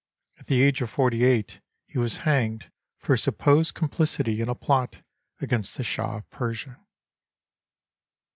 At the age of 48 he was hanged for supposed complicity in a plot against the Shah of Persia.